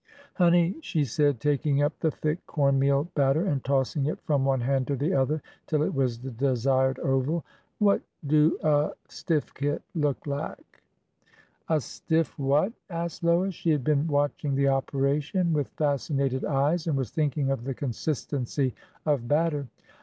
Honey," she said, taking up the thick corn meal bat ter and tossing it from one hand to the other till it was the desired oval, " what do a stiffkit look lak? " I THE CERTIFICATE 309 A stiff what ?'' asked Lois. She had been watching the operation with fascinated eyes and was thinking of the consistency of batter.